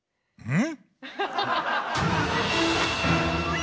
うん？